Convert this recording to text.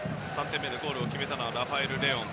３点目のゴールを決めたのはラファエル・レオン。